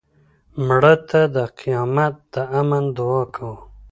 مړه ته د قیامت د امن دعا کوو